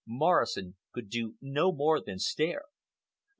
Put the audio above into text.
Morrison could do no more than stare.